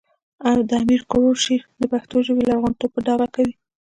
د امیر کروړ شعر د پښتو ژبې لرغونتوب په ډاګه کوي